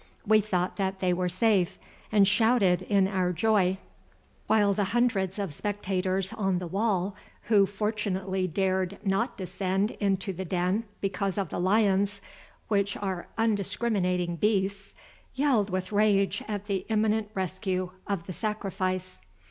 We thought that they were safe, and shouted in our joy, while the hundreds of spectators on the wall who fortunately dared not descend into the den because of the lions, which are undiscriminating beasts, yelled with rage at the imminent rescue of the sacrifice.